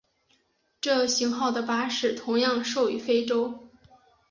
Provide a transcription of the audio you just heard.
这型号的巴士同样售予非洲。